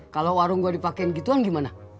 kalo warung gua dipakein gituan gimana